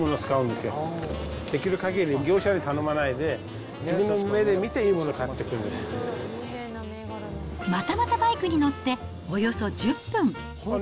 できるかぎり業者に頼まないで、自分の目で見て、またまたバイクに乗って、およそ１０分。